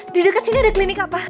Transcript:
di dekat sini ada klinik apa